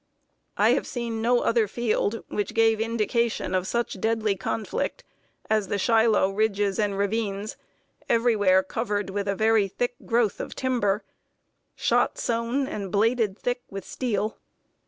I have seen no other field which gave indication of such deadly conflict as the Shiloh ridges and ravines, everywhere covered with a very thick growth of timber "Shot sown and bladed thick with steel."